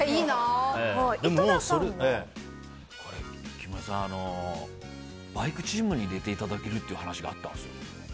木村さん、バイクチームに入れていただけるっていう話があったんですよ。